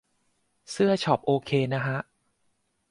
เสื้อช็อปโอเคนะฮะ